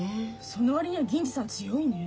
その割には銀次さん強いね。